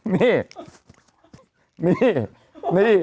นี่นี่